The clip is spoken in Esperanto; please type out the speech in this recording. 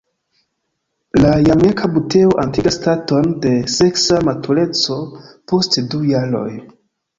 La Jamajka buteo atingas staton de seksa matureco post du jaroj.